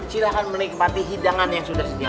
silahkan menikmati hidangan yang sudah sedia